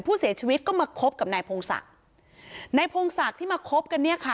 ผู้เสียชีวิตก็มาคบกับนายพงศักดิ์นายพงศักดิ์ที่มาคบกันเนี่ยค่ะ